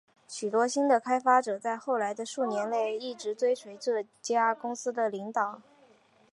许多新的开发者在后来的数年内一直追随这家公司的领导。